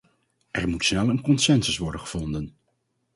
Er moet snel een consensus worden gevonden.